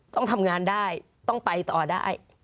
ต้องทำงานได้ต้องไปต่อได้